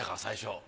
最初。